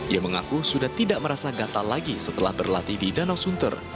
ia mengaku sudah tidak merasa gatal lagi setelah berlatih di danau sunter